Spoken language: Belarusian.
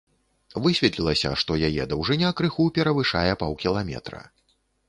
Высветлілася, што яе даўжыня крыху перавышае паўкіламетра.